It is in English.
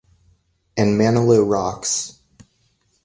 And Manilow rocks.